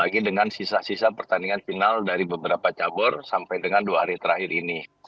lagi dengan sisa sisa pertandingan final dari beberapa cabur sampai dengan dua hari terakhir ini